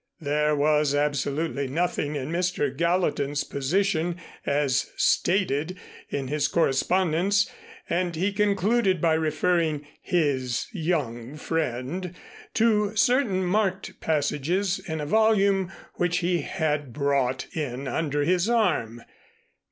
There was absolutely nothing in Mr. Gallatin's position as stated in his correspondence and he concluded by referring "his young friend" to certain marked passages in a volume which he had brought in under his arm.